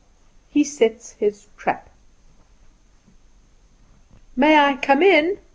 He Sets His Trap. "May I come in?